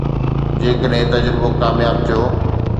جيڪڏهن تجربو ڪامياب ٿيو